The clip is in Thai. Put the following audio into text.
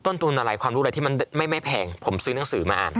ตุนอะไรความรู้อะไรที่มันไม่แพงผมซื้อหนังสือมาอ่าน